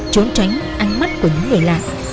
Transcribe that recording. trốn tránh ánh mắt của những người lạ